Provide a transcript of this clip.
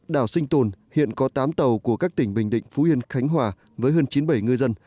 đảo sinh tồn hiện có tám tàu của các tỉnh bình định phú yên khánh hòa với hơn chín mươi bảy ngư dân